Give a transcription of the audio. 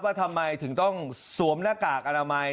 ทำไมถึงต้องสวมหน้ากากอนามัย